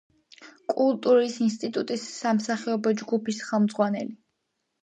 კულტურის ინსტიტუტის სამსახიობო ჯგუფის ხელმძღვანელი.